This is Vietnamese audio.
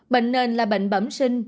bệnh nền là bệnh bẩm sinh